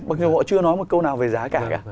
mặc dù họ chưa nói một câu nào về giá cả cả